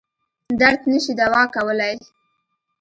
درد نه شي دوا کولای.